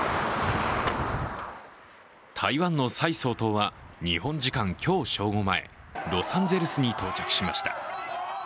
台湾の蔡総統は日本時間今日正午前、ロサンゼルスに到着しました。